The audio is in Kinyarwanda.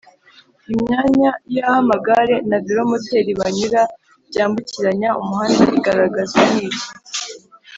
imyanya y’aho amagare na velomoteri banyura byambukiranya umuhanda igaragazwa n’iki